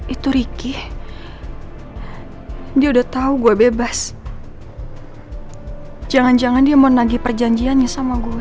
itu ricky dia udah tahu gue bebas jangan jangan dia mau nagih perjanjiannya sama gue